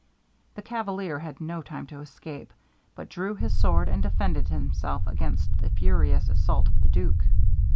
The cavalier had no time to escape, but drew his sword, and defended himself against the furious assault of the duke.